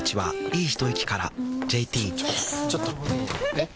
えっ⁉